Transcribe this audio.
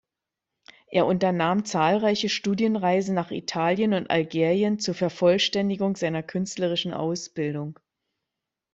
Er unternahm zahlreiche Studienreisen nach Italien und Algerien zur Vervollständigung seiner künstlerischen Ausbildung.